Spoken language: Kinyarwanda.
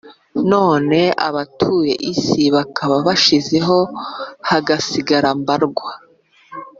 none abatuye isi bakaba bashizeho, hagasigara mbarwa.